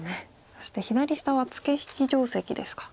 そして左下はツケ引き定石ですか。